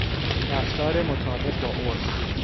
رفتار مطابق با عرف